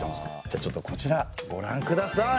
じゃあちょっとこちらごらんください。